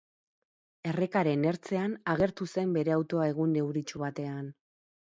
Errekaren ertzean agertu zen bere autoa egun euritsu batean.